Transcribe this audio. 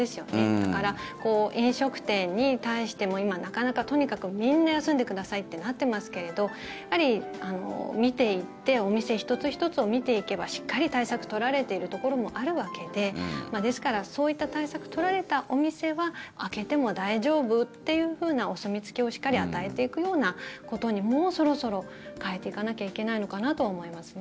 だから、飲食店に対しても今、なかなかとにかくみんな休んでくださいとなっていますけれどやっぱり見ていってお店１つ１つを見ていけばしっかり対策を取られているところもあるわけでですから、そういった対策が取られたお店は開けても大丈夫というふうなお墨付きをしっかり与えていくようなことにもうそろそろ変えていかなきゃいけないのかなと思いますね。